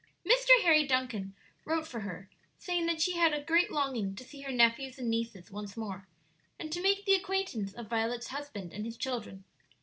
Mr. Harry Duncan wrote for her, saying that she had a great longing to see her nephews and nieces once more, and to make the acquaintance of Violet's husband and his children.